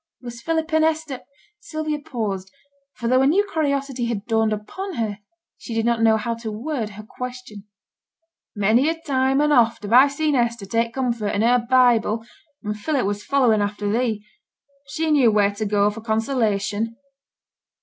'Was Philip and Hester ' Sylvia paused, for though a new curiosity had dawned upon her, she did not know how to word her question. 'Many a time and oft have I seen Hester take comfort in her Bible when Philip was following after thee. She knew where to go for consolation.'